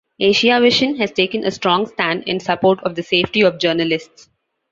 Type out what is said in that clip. Asiavision has taken a strong stand in support of the safety of journalists.